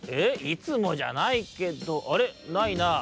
いつもじゃないけどあれ？ないなぁ」。